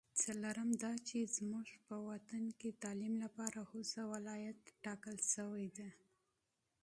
څلورم دا چې زمونږ وطن کې تعلیم لپاره حوزه ولایت ټاکل شوې ده